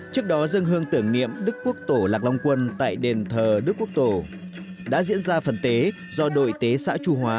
trước đó dân hương tưởng niệm đức quốc tổ lạc long quân tại đền thờ đức quốc tổ đã diễn ra phần tế do đội tế xã trung hóa